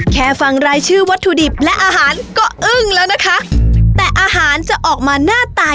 แค่ฟังรายชื่อวัตถุดิบและอาหารก็อึ้งแล้วนะคะแต่อาหารจะออกมาหน้าตา